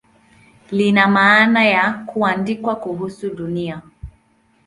Lina maana ya "kuandika kuhusu Dunia".